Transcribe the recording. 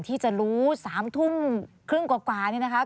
ที่จะรู้๓ทุ่มครึ่งกว่านี่นะคะ